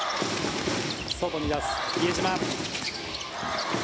外に出す、比江島。